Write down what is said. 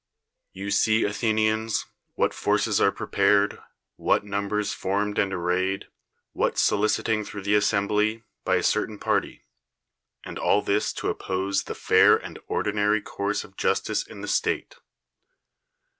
You see, Athenians ! what forces are prepared, what numbers formed and arrayed, what solic iting through the assembly, by a certain party; and all this to oppose the fair and ordinary course of justice in the state.